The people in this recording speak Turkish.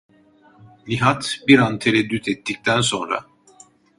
Nihat bir an tereddüt ettikten sonra: